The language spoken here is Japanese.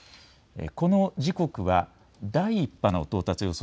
この時刻は第１波の到達予想